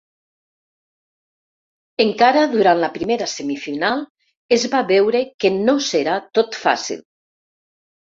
Encara durant la primera semifinal, es va veure que no serà tot fàcil.